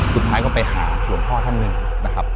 สุดท้ายก็ไปหาหลวงพ่อท่านหนึ่งนะครับ